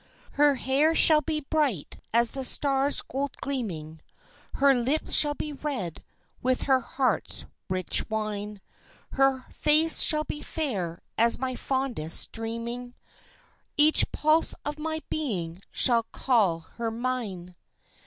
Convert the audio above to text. "Her hair shall be bright as the stars' gold gleaming, Her lips shall be red with her heart's rich wine, Her face shall be fair as my fondest dreaming, Each pulse of my being shall call her mine!"